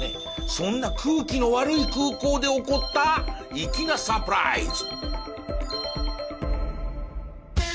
そんな空気の悪い空港で起こった粋なサプライズ。